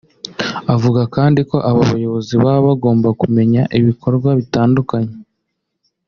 Avuga kandi ko aba bayobozi baba bagomba kumenya ibikorwa bitandukanye